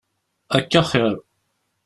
Akka axiṛ.